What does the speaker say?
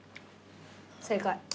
正解。